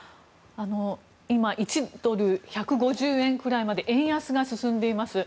今、１ドル＝１５０円ぐらいまで円安が進んでいます。